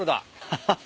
ハハハ。